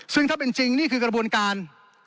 ซึ่งถ้าเป็นจริงนี่คือกระบวนการ